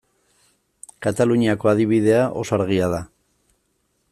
Kataluniako adibidea oso argia da.